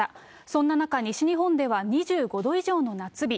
そんな中、西日本では２５度以上の夏日。